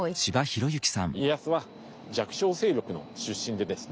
家康は弱小勢力の出身でですね。